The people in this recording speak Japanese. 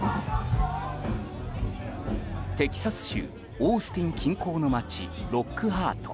テキサス州オースティン近郊の街ロックハート。